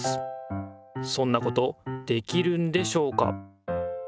そんなことできるんでしょうか？